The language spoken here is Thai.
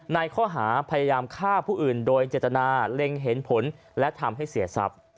ในข้อหาพยายามฆ่าผู้อื่นโดยเจตนาเล็งเห็นผลและทำให้เสียทรัพย์